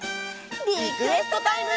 リクエストタイム！